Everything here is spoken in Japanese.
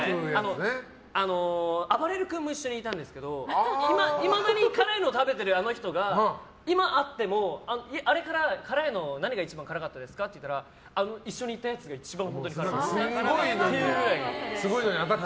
あばれる君も一緒にいたんですけどいまだに辛いのを食べてるあの人が今会ってもあれから辛いの何が一番辛かったですか？って聞いたら一緒に行ったやつが一番辛かったっていうくらい。